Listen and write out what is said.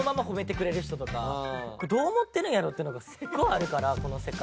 「どう思ってるんやろ？」っていうのがすっごいあるからこの世界。